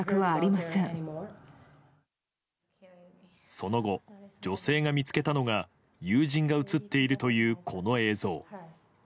その後、女性が見つけたのが友人が映っているというこの映像。